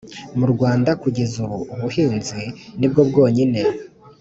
mu rwanda, kugeza ubu ubuhinzi ni bwo bwonyine